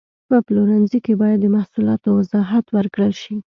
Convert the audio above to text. په پلورنځي کې باید د محصولاتو وضاحت ورکړل شي.